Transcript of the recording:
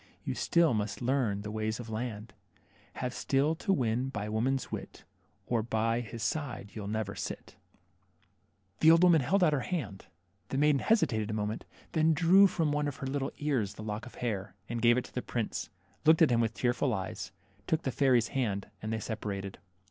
You still must learn the ways of land ; Have still to win by woman's wit. Or by his side you'll never sit." THE MERMAID. 21 The old woman held out her hand ; the maiden hesitated a moment, then drew from one oft her little ears the lock of hair, and gave it to the prince, looked at him with tearful eyes, took the fairy's hand, and they separated.